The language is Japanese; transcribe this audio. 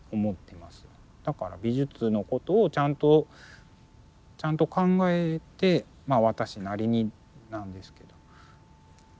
だから「美術」のことをちゃんとちゃんと考えて私なりになんですけど。